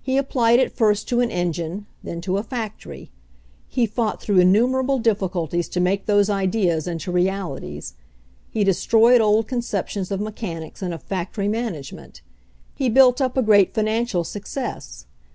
He applied it first to an engine, then to a fac tory. He fought through innumerable difficulties to make those ideas into realities. He destroyed old conceptions of mechanics and of factory man agement. He built up a great financial success.